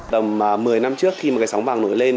tầm một mươi năm trước khi mà cái sóng vàng nổi lên